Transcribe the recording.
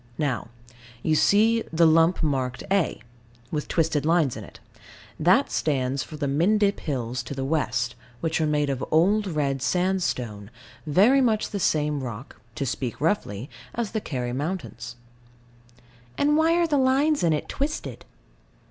Now. You see, the lump marked A. With twisted lines in it. That stands for the Mendip Hills to the west, which are made of old red sandstone, very much the same rock (to speak roughly) as the Kerry mountains. And why are the lines in it twisted?